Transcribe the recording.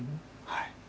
はい。